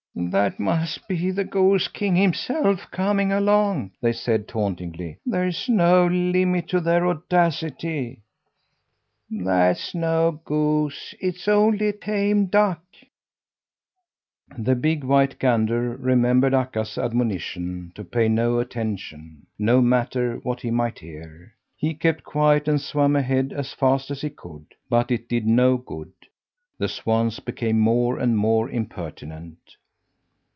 "That must be the goose king himself coming along," they said tauntingly. "There's no limit to their audacity!" "That's no goose, it's only a tame duck." The big white gander remembered Akka's admonition to pay no attention, no matter what he might hear. He kept quiet and swam ahead as fast he could, but it did no good. The swans became more and more impertinent.